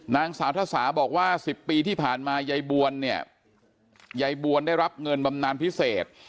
นางสาวทราษาบอกว่า๑๐ปีที่ผ่านมายายบวลได้รับเงินบำนานพิเศษ